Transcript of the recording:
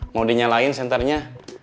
mau dinyalain senternya